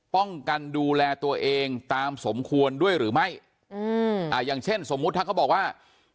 ป้องกันดูแลตัวเองตามสมควรด้วยหรือไม่อืมอ่าอย่างเช่นสมมุติถ้าเขาบอกว่า